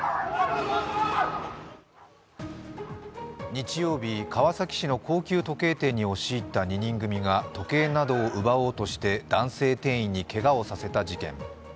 日曜日、川崎市の高級時計店に押し入った２人組が時計などを奪おうとして男性店員にけがをさせた事件。